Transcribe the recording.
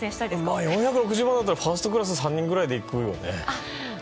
まあ４６０万だったらファーストクラス３人くらいで行くよね。